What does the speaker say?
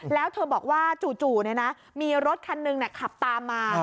แล้วเธอบอกว่าจู่มีรถคันหนึ่งขับตามมา